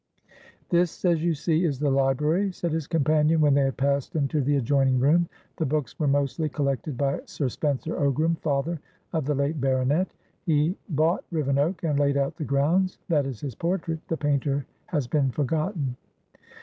"This, as you see, is the library," said his companion, when they had passed into the adjoining room. "The books were mostly collected by Sir Spencer Ogram, father of the late baronet; he bought Rivenoak, and laid out the grounds. That is his portraitthe painter has been forgotten."